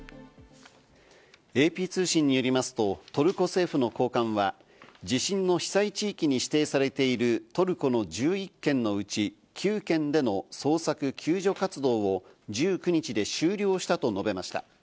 ＡＰ通信によりますとトルコ政府の高官は、地震の被災地域に指定されているトルコの１１県のうち、９県での捜索・救助活動を１９日で終了したと述べました。